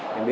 cái xe gì